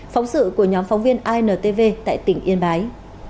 phóng sự của nhóm phóng viên intv tại tỉnh yên bái